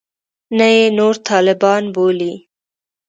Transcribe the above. نه یې نور طالبان بولي.